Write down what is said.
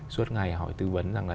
suốt ngày họ tư vấn rằng là